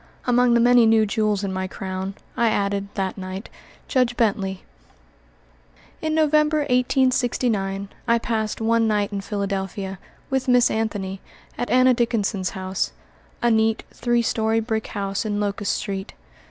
Among the many new jewels in my crown, I added, that night, Judge Bently. In November, 1869, I passed one night in Philadelphia, with Miss Anthony, at Anna Dickinson's home a neat, three story brick house in Locust Street.